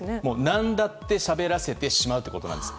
何だってしゃべらせてしまうってことなんです。